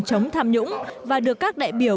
chống tham nhũng và được các đại biểu